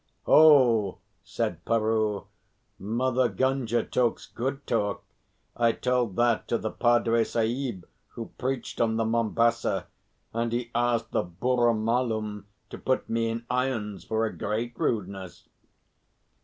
"Ho!" said Peroo. "Mother Gunga talks good talk. I told that to the padre sahib who preached on the Mombassa, and he asked the Burra Malum to put me in irons for a great rudeness."